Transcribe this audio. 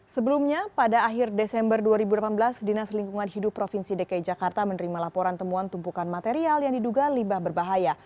sebelumnya pada akhir desember dua ribu delapan belas dinas lingkungan hidup provinsi dki jakarta menerima laporan temuan tumpukan material yang diduga limbah berbahaya